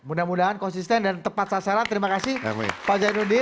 mudah mudahan konsisten dan tepat sasaran terima kasih pak zainuddin